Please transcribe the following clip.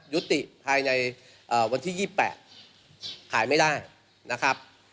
ยุติภายในวันที่๒๘ขายไม่ได้นะครับ